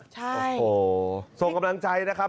ใช่โอ้โหส่งกำลังใจนะครับ